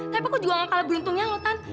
tapi aku juga gak kalah beruntungnya loh tan